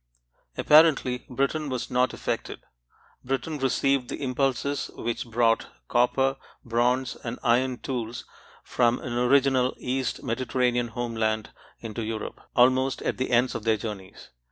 Apparently Britain was not affected. Britain received the impulses which brought copper, bronze, and iron tools from an original east Mediterranean homeland into Europe, almost at the ends of their journeys.